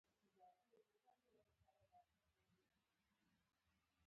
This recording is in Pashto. د ملت د ګټو حفاظت ارام ذهن غواړي.